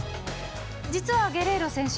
実はゲレーロ選手。